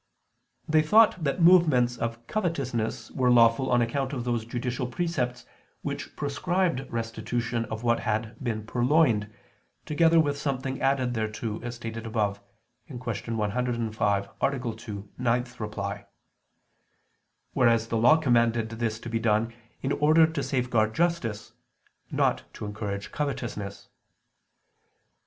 They thought that movements of covetousness were lawful on account of those judicial precepts which prescribed restitution of what had been purloined, together with something added thereto, as stated above (Q. 105, A. 2, ad 9); whereas the Law commanded this to be done in order to safeguard justice, not to encourage covetousness.